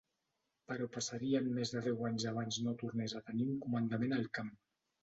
Però passarien més de deu anys abans no tornés a tenir un comandament al camp.